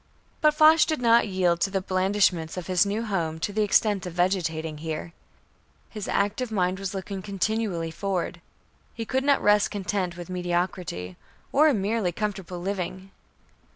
But Foch did not yield to the blandishments of his new home to the extent of vegetating here. His active mind was looking continually forward. He could not rest content with mediocrity, or a merely comfortable living.